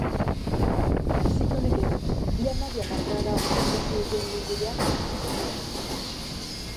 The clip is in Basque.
Ziklo honekin, ia hamabi hamarkada aztertu dituen ibilbidea itxiko dute.